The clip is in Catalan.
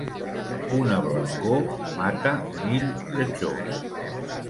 Una blancor mata mil lletjors.